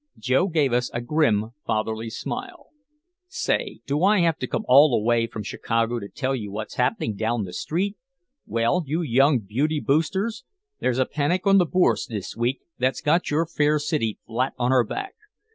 Joe gave us a grim, fatherly smile. "Say. Do I have to come all the way from Chicago to tell you what's happening down the street? Well, you young beauty boosters, there's a panic on the Bourse this week that's got your fair city flat on her back.